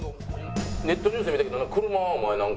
ネットニュースで見たけど車お前なんか。